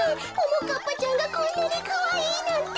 ももかっぱちゃんがこんなにかわいいなんて。